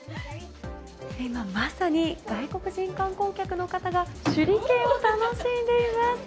今まさに外国人観光客の方が手裏剣を楽しんでいます。